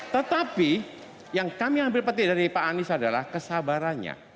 tetapi yang kami ambil peti dari pak anies adalah kesabarannya